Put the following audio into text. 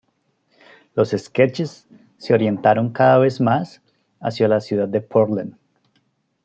Los sketches se orientaron cada vez más hacia la ciudad de Portland.